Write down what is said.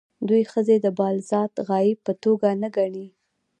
دوی ښځې د بالذات غایې په توګه نه ګڼي.